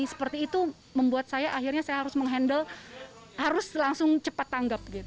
seperti itu membuat saya akhirnya saya harus menghandle harus langsung cepat tanggap